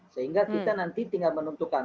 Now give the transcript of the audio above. sehingga kita nanti tinggal menentukan